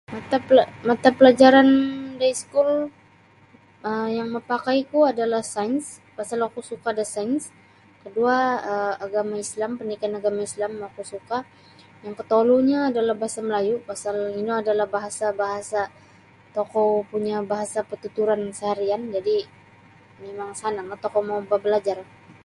Matapela matapelajaran da iskul um yang mapakaiku adalah sains pasal oku suka' da sains kadua' um agama Islam pandidikan agama Islam oku suka' yang kotolunyo adalah bahasa Melayu' pasal ino adalah bahasa-bahasa tokou punya bahasa partuturan seharian jadi' mimang sananglah tokou babalajar